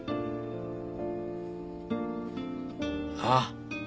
ああ。